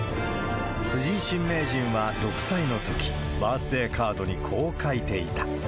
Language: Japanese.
藤井新名人は６歳のとき、バースデーカードにこう書いていた。